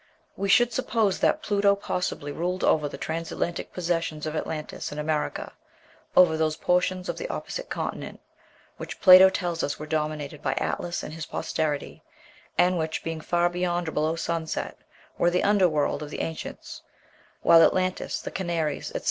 '" We should suppose that Pluto possibly ruled over the transatlantic possessions of Atlantis in America, over those "portions of the opposite continent" which Plato tells us were dominated by Atlas and his posterity, and which, being far beyond or below sunset, were the "under world" of the ancients; while Atlantis, the Canaries, etc.